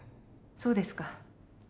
そうですか。